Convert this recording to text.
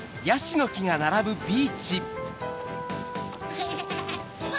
アハハハ！